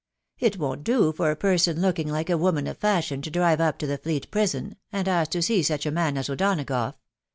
" It won't do for a person looking like a woman of fashion to drive up to the Fleet Prison, and ask t» tsea %\\k&^tmss^^ O'Donagough. .